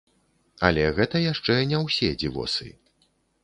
Але гэта яшчэ не ўсе дзівосы!